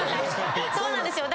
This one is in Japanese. そうなんですよ。